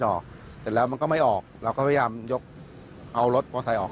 ออกเสร็จแล้วมันก็ไม่ออกเราก็พยายามยกเอารถมอไซค์ออก